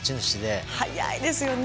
速いですよね